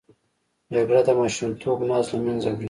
جګړه د ماشومتوب ناز له منځه وړي